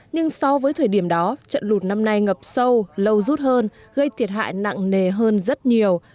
nhưng so với thời điểm đó trận lụt năm nay ngập sâu lâu rút hơn gây thiệt hại nặng nề hơn rất nhiều